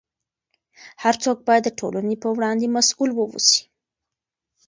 هر څوک باید د ټولنې په وړاندې مسؤل واوسي.